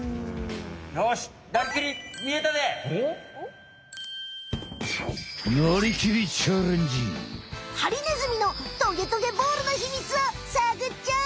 よしハリネズミのトゲトゲボールのひみつをさぐっちゃおう！